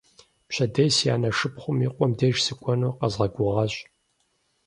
Пщэдей си анэ шыпхъум и къуэм деж сыкӀуэну къэзгъэгугъащ.